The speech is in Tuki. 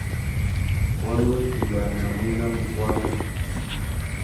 Wá nú timbānamú nà mukuânô.